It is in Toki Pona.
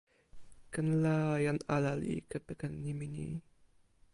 ken la jan ala li kepeken nimi ni.